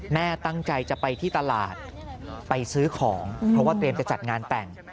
แม่ตั้งใจจะไปที่ตลาดไปซื้อของเพราะว่าเตรียมจะจัดงานแต่ง